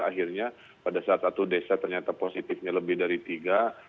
akhirnya pada saat satu desa ternyata positifnya lebih dari tiga